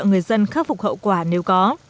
người dân khắc phục hậu quả nếu có